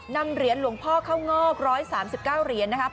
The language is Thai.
นำเหรียญหลวงพ่อเข้างอก๑๓๙เหรียญนะครับ